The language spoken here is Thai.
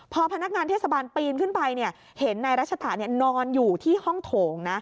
พอพนักงานเทศบาลปีนขึ้นไปเห็นนายรัชตะนอนอยู่ที่ห้องโถงนะ